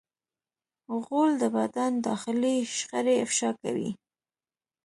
غول د بدن داخلي شخړې افشا کوي.